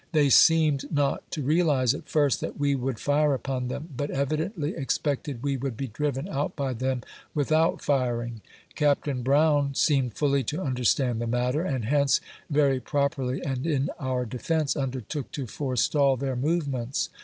They seemed not to realize, at first, that we would fire upon them, but ev idently expected we would be driven out by them without firing. Capt. Brown seemed fully to understand the matter, and hence, very properly and in our defence, undertook to forestall their movements.